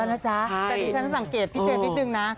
แต่ที่ฉันสังเกตพี่เจมสนิดนึงนะ